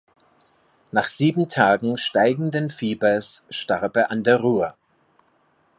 Nach sieben Tagen steigenden Fiebers starb er an der Ruhr.